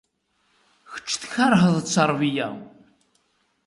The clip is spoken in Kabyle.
Kečč tkerheḍ tterbiya.